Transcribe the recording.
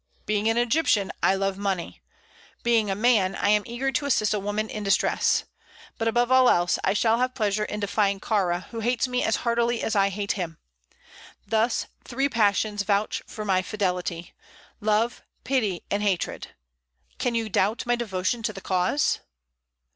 Being an Egyptian, I love money; being a man, I am eager to assist a woman in distress. But, above all else, I shall have pleasure in defying Kāra, who hates me as heartily as I hate him. Thus, three passions vouch for my fidelity love, pity and hatred. Can you doubt my devotion to the cause?"